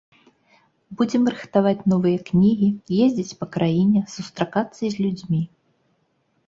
Будзем рыхтаваць новыя кнігі, ездзіць па краіне, сустракацца з людзьмі.